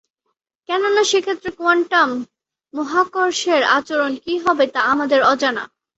কেননা, সেক্ষেত্রে, কোয়ান্টাম মহাকর্ষের আচরণ কি হবে তা আমাদের অজানা।